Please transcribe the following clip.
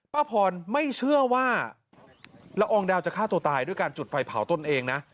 ป้าพรไม่เชื่อว่าละอองดาวจะฆ่าตัวตายด้วยการจุดไฟเผาตนเองนะ